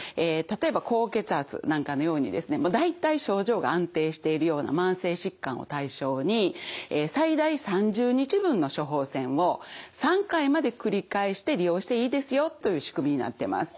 例えば高血圧なんかのようにですね大体症状が安定しているような慢性疾患を対象に最大３０日分の処方せんを３回までくり返して利用していいですよという仕組みになってます。